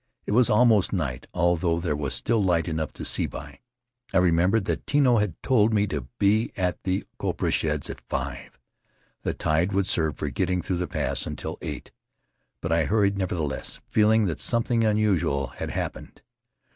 It was almost night, although there was still light enough to see by. I remembered that Tino had told me to be at the copra sheds at five. The tide would serve for getting through the pass until eight, but I hurried, nevertheless, feeling that something unusual had hap pened.